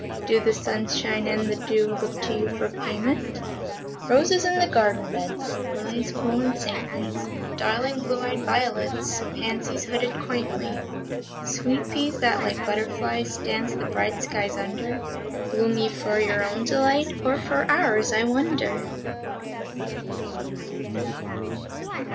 Do the sunshine and the dew Look to you for payment ? A SUMMER SONG 343 Roses in the garden beds, Lilies, cool and saintly, Darling blue eyed violets, Pansies, hooded quaintly. Sweet peas that, like butterflies, Dance the bright skies under, Bloom ye for your own delight, Or for ours, I wonder!